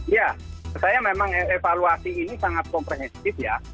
ya saya memang evaluasi ini sangat komprehensif ya